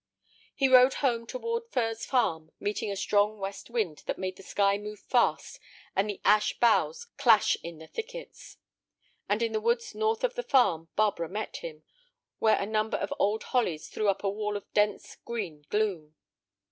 He rode home toward Furze Farm, meeting a strong west wind that made the sky move fast and the ash boughs clash in the thickets. And in the woods north of the farm Barbara met him, where a number of old hollies threw up a wall of dense, green gloom.